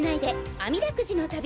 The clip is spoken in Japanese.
あみだくじの旅！